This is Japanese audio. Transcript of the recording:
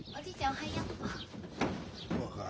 おはよう。